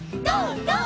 「ゴー！